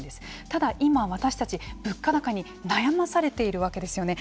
ただ今、私たち物価高に悩まされているわけですよね。